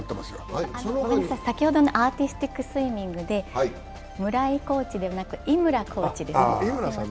先ほどのアーティスティックスイミングで、村井コーチでなく、井村コーチです。